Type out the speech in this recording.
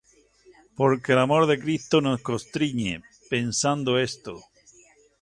Porque el amor de Cristo nos constriñe, pensando esto: